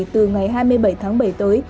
từ ngày hai mươi bảy tháng bảy tới